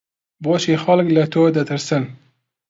بۆچی خەڵک لە تۆ دەترسن؟